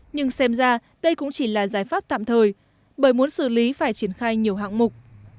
nhưng xem ra đây cũng chỉ là giải pháp tạm thời bởi muốn xử lý phải triển khai nhiều hạng mục